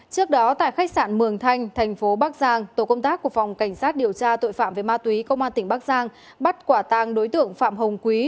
trước đó tại khách sạn mường thanh thành phố bắc giang tổ công tác của phòng cảnh sát điều tra tội phạm về ma túy công an tỉnh bắc giang bắt quả tàng đối tượng phạm hồng quý